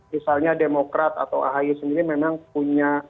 misalnya demokrat atau ahy sendiri memang punya